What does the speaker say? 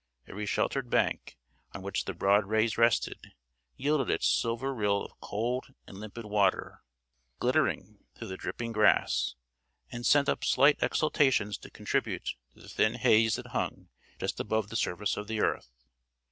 Every sheltered bank, on which the broad rays rested, yielded its silver rill of cold and limpid water, glittering through the dripping grass; and sent up slight exhalations to contribute to the thin haze that hung just above the surface of the earth.